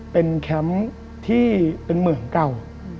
เป็นแคมป์ที่เป็นเหมืองเก่า